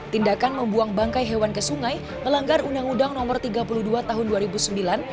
tindakan membuang bangkai hewan ke sungai melanggar undang undang no tiga puluh dua tahun dua ribu sembilan